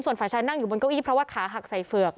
ส่วนฝ่ายชายนั่งอยู่บนเก้าอี้เพราะว่าขาหักใส่เฝือก